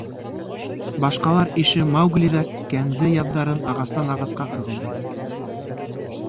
Башҡалар ише Маугли ҙа кәнде яҙҙарын ағастан ағасҡа ырғылды.